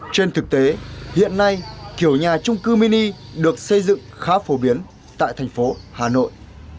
trên thực tế hiện nay kiểu nhà trung cư mini được xây dựng khá phổ biến tại thành phố hà nội